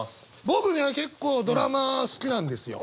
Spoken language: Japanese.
僕ね結構ドラマ好きなんですよ。